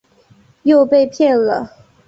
又被骗了